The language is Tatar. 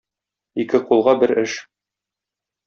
Ике кулга бер эш.